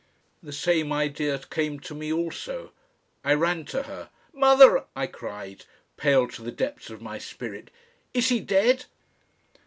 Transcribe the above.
The same idea came to me also. I ran to her. "Mother!" I cried, pale to the depths of my spirit, "IS HE DEAD?"